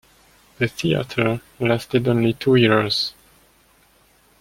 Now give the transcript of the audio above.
The theatre lasted only two years.